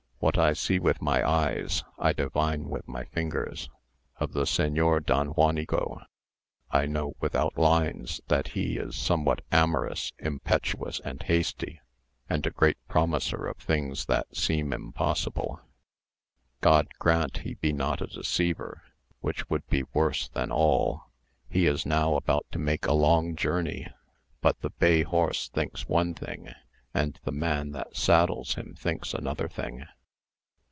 "What I see with my eyes, I divine with my fingers. Of the Señor Don Juanico, I know without lines that he is somewhat amorous, impetuous, and hasty; and a great promiser of things that seem impossible. God grant he be not a deceiver, which would be worse than all. He is now about to make a long journey; but the bay horse thinks one thing, and the man that saddles him thinks another thing.